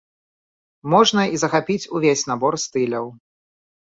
Можна і захапіць увесь набор стыляў.